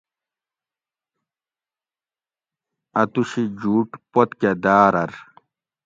اتوشی جُوٹ پتکہ دارۤر